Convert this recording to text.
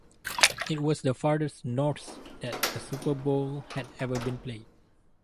It was the farthest north that a Super Bowl has ever been played.